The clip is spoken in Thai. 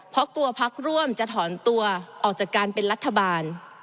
เพราะกลัวพักร่วมจะถอนตัวออกจากการเป็นรัฐบาล